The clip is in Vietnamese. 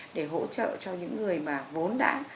để hỗ trợ cho những người mà vốn đại